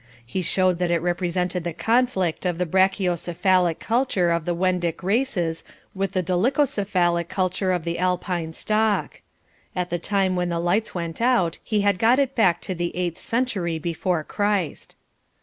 He showed that it represented the conflict of the brachiocephalic culture of the Wendic races with the dolichocephalic culture of the Alpine stock. At the time when the lights went out he had got it back to the eighth century before Christ.